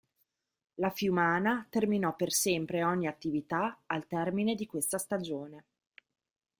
La Fiumana terminò per sempre ogni attività al termine di questa stagione.